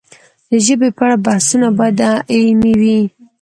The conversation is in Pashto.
د ژبې په اړه بحثونه باید علمي وي.